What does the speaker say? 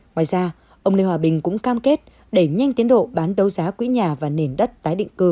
ngoài ra ông lê hòa bình cũng cam kết đẩy nhanh tiến độ bán đấu giá quỹ nhà và nền đất tái định cư